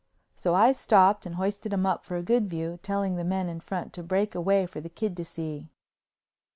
So I stopped and hoisted him up for a good view, telling the men in front to break a way for the kid to see.